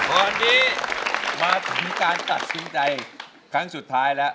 ตอนนี้มาถึงการตัดสินใจครั้งสุดท้ายแล้ว